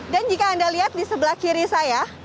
dan jika anda lihat di sebelah kiri saya